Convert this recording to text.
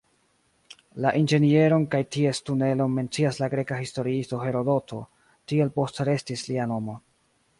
La inĝenieron kaj ties tunelon mencias la greka historiisto Herodoto, tiel postrestis lia nomo.